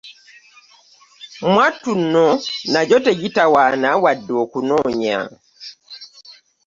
Mwattu nno nagyo tegitawaana wadde okunonya .